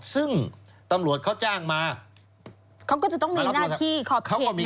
ซึ่งตำรวจเขาจ้างมาเขาก็จะต้องมีหน้าที่ขอบเขต